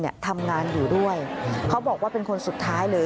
ทำงานอยู่ด้วยเขาบอกว่าเป็นคนสุดท้ายเลย